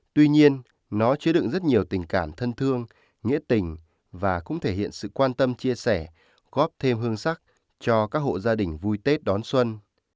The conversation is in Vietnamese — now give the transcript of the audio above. tuy nhiên nó chứa đựng rất nhiều tình cảm thân thương nghĩa tình và cũng thể hiện sự quan tâm chia sẻ góp thêm hương sắc cho các hộ gia đình vui tết đón xuân